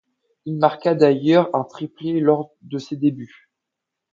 Il marqua d'ailleurs un triplé lors de ses débuts.